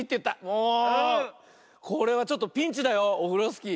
もうこれはちょっとピンチだよオフロスキー。